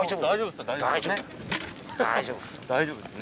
大丈夫！